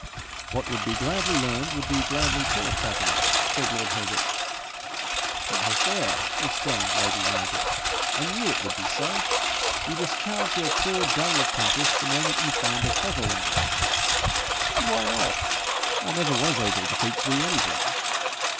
'What would be gladly learned would be gladly taught, cousin,' said lord Herbert. 'There! there!' exclaimed lady Margaret; 'I knew it would be so. You discharge your poor dull apprentice the moment you find a clever one!' 'And why not? I never was able to teach thee anything.'